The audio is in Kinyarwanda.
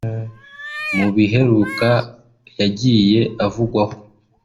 Mu biheruka yagiye avugwaho